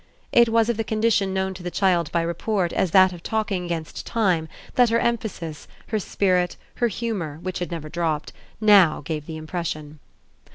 It was of the condition known to the child by report as that of talking against time that her emphasis, her spirit, her humour, which had never dropped, now gave the impression.